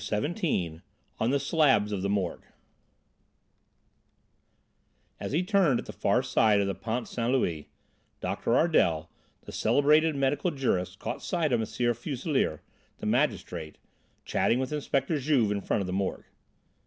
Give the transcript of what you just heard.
XVII ON THE SLABS OF THE MORGUE As he turned at the far side of the Pont St. Louis, Doctor Ardel, the celebrated medical jurist, caught sight of M. Fuselier, the magistrate, chatting with Inspector Juve in front of the Morgue.